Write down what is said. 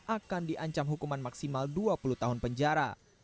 akan diancam hukuman maksimal dua puluh tahun penjara